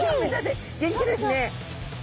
元気ですね！